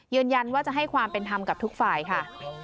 ยืนยันว่าจะให้ความเป็นธรรมกับทุกฝ่ายค่ะ